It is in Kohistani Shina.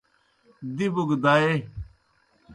دِبوْ گہ دائے۔